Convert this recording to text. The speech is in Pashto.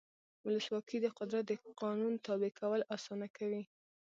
ولسواکي د قدرت د قانون تابع کول اسانه کوي.